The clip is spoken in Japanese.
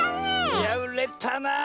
いやうれたな！